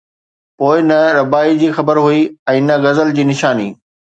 پوءِ نه رباعي جي خبر هئي ۽ نه غزل جي نشاني